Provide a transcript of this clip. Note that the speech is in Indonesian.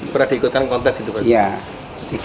berapa diikutan kontes itu pak